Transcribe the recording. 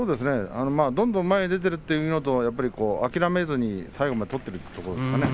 どんどん前に出ているということ、諦めずに最後まで取っているところですかね。